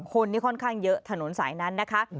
คนนี้ค่อนข้างเยอะถนนสายนั้นนะคะ